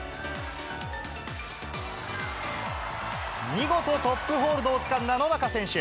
見事、トップホールドをつかんだ野中選手。